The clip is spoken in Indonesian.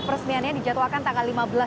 peresmiannya dijadwalkan tanggal lima